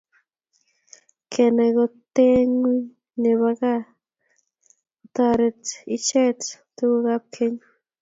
kenai koteenguny nebo kaa katoretuu itech tukukab keny